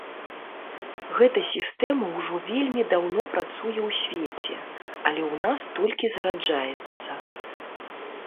Гэта сістэма ўжо вельмі даўно працуе ў свеце, але ў нас толькі зараджаецца.